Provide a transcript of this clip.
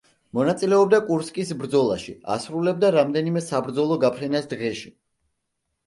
მონაწილეობდა კურსკის ბრძოლაში, ასრულებდა რამდენიმე საბრძოლო გაფრენას დღეში.